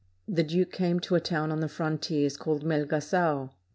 The duke came to a town on the frontiers called Melgago.